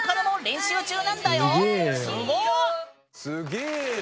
すげえよ。